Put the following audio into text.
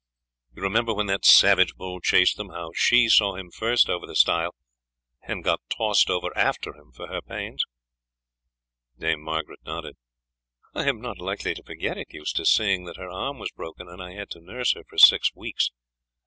You remember when that savage bull chased them, how she saw him first over the stile and got tossed over after him for her pains?" Dame Margaret nodded. "I am not likely to forget it, Eustace, seeing that her arm was broken and I had to nurse her for six weeks.